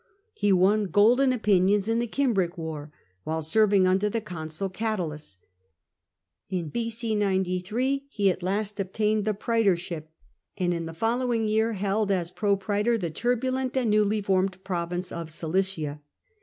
He won golden opinions in the Cimbric war while serving under the Consul Oatulus. In B.C. 93 he at last obtained the praetorship, and in the following year held as propraetor the turbulent and newly formed province of Cilicia.